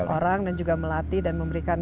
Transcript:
orang dan juga melatih dan memberikan